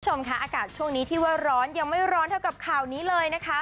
คุณผู้ชมค่ะอากาศช่วงนี้ที่ว่าร้อนยังไม่ร้อนเท่ากับข่าวนี้เลยนะคะ